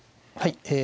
はい。